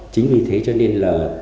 chính vì thế cho nên là